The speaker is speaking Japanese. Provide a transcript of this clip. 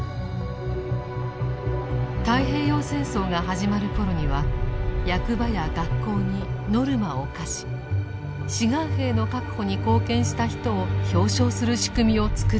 太平洋戦争が始まる頃には役場や学校にノルマを課し志願兵の確保に貢献した人を表彰する仕組みを作っていました。